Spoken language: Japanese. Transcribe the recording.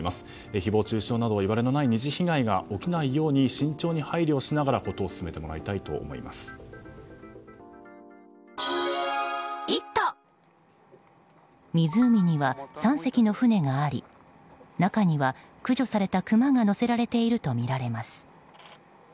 誹謗中傷など、いわれのない２次被害が起きないように慎重に配慮をしながらことを進めてもらいたいと湖には３隻の船があり中には、駆除されたクマが載せられているとみられます。